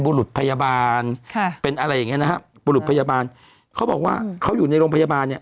ปุหรุตพยาบาลเขาบอกว่าเขาอยู่ในโรงพยาบาล